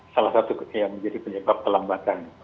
salah satu yang menjadi penyebab kelembatan